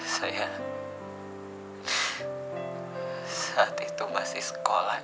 saya saat itu masih sekolah